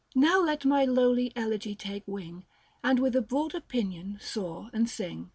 Now let ray lowly elegy take wing, And with a broader pinion soar and sing.